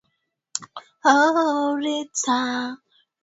Aliongeza kuwa uchumi wa Buluu haukamiliki bila ya kuwepo kwa Bandari za kisasa